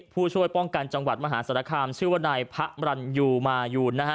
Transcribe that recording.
ผู้ช่วยป้องกันจังหวัดมหาศาลคามชื่อว่านายพระมรันยูมายูนนะฮะ